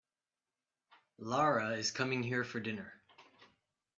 Lara is coming here for dinner.